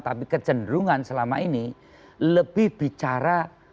tapi kecenderungan selama ini lebih bicara